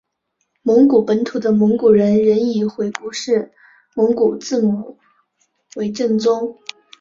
蒙古本土的蒙古人仍以回鹘式蒙古字母为正宗。